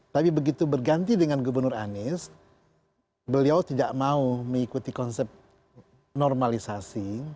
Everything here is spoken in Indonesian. tapi begitu berganti dengan gubernur anies beliau tidak mau mengikuti konsep normalisasi